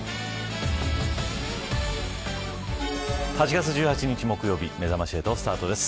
８月１８日木曜日めざまし８、スタートです。